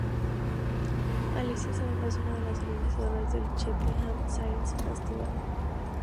Alice es además, una de las organizadoras del Cheltenham Science Festival.